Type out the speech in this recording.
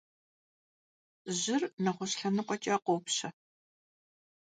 Jır neğueş' lhenıkhueç'e khopşe.